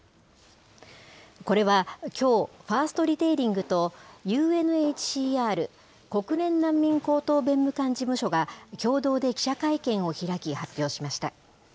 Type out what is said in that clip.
これはきょう、ファーストリテイリングと、ＵＮＨＣＲ・国連難民高等弁務官事務所が共同で記者会見を開き発表しました。